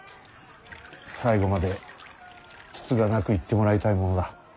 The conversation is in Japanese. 最後までつつがなくいってもらいたいものだ。